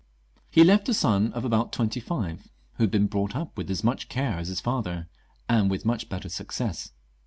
He left a son of about twenty five, who had been brought up with as much care as his ••" 360 LOUIS XIV. [CH. father, and with much better success.